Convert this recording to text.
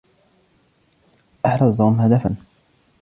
أحرز توم هدفًا.